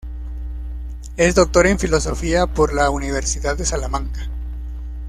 Es Doctor en Filosofía por la Universidad de Salamanca.